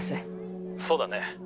そうだね。